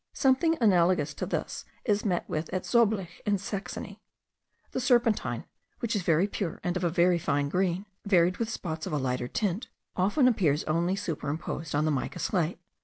Something analogous to this is met with at Zoblitz in Saxony. The serpentine, which is very pure and of a fine green, varied with spots of a lighter tint, often appears only superimposed on the mica slate.